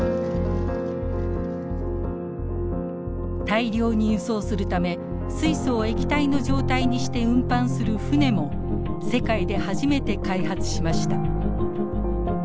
大量に輸送するため水素を液体の状態にして運搬する船も世界で初めて開発しました。